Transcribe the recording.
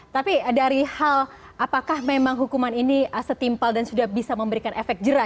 tapi dari hal apakah memang hukuman ini setimpal dan sudah bisa memberikan efek jerah